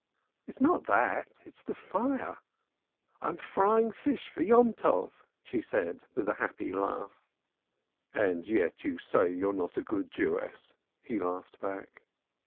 "It's not that. It's the fire. I'm frying fish for Yomtov," she said, with a happy laugh. "And yet you say you're not a good Jewess," he laughed back.